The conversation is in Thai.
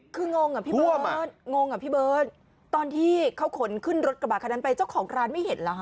คืองงอะพี่เบิร์ตตอนที่เขาขนขึ้นรถกระบาดคันนั้นไปเจ้าของร้านไม่เห็นหรอฮะ